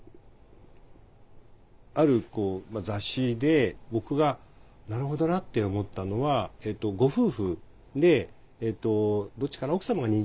ある雑誌で僕がなるほどなって思ったのはご夫婦でどっちかな奥様が認知症だったのかな。